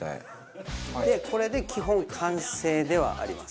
これで基本完成ではあります。